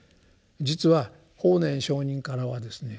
実は法然上人からはですね